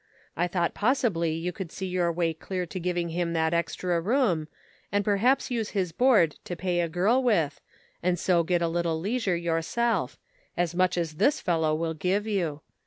I thought possibly you would see your way clear to giving him, that extra room, and perhaps use his board to pay a girl with, and so get a little leisure yourself — as much as this fellow will give you.